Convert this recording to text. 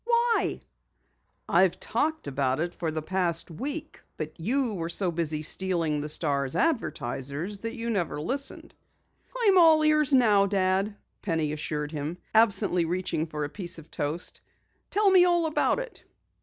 Why?" "I've talked about it for the past week, but you were so busy stealing the Star's advertisers that you never listened." "I'm all ears now, Dad," Penny assured him, absently reaching for a piece of toast. "Tell me all about it."